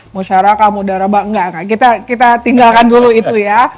musyarakah mudaraba nggak kita tinggalkan dulu itu ya